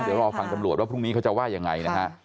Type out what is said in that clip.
เดี๋ยวรอฟังตำรวจว่าพรุ่งนี้เขาจะว่ายังไงนะฮะ